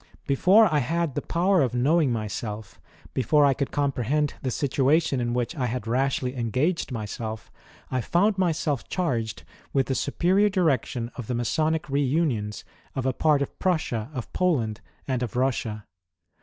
Before I had the power of knowing myself, before 1 could comprehend the situation in which I had rashly engaged myself, I foimd myself charged with the superior direction of the Masonic re unions of a part of Prussia, of Poland, and of Russia.